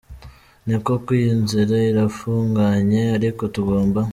Ni koko iyi nzira irafunganye ariko tugomba